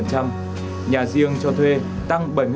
nhà riêng cho thuê tăng bảy mươi bảy